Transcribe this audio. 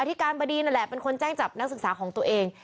อธิบดีนแหละเป็นคนแจ้งจับนักศึกษาของตัวเอง